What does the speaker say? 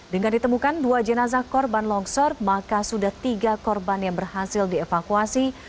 dengan ditemukan dua jenazah korban longsor maka sudah tiga korban yang berhasil dievakuasi